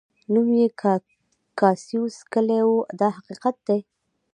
نوم یې کاسیوس کلي و دا حقیقت دی.